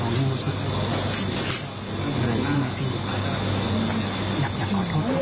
อยากขอโทษศึกษาของพวกเจ้าต้อนรับ